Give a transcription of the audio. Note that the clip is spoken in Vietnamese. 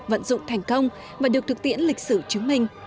vận dụng thành công và được thực tiễn lịch sử chứng minh